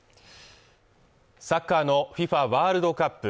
サッカーのＦＩＦＡワールドカップ